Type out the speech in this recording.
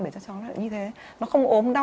để cho chó nó như thế nó không ốm đau